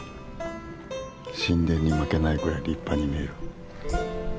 神殿に負けないぐらい立派に見える。